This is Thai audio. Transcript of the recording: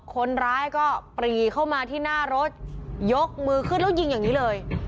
คนร้ายก็ปรีเข้ามาที่หน้ารถยกมือขึ้นแล้วยิงอย่างนี้เลย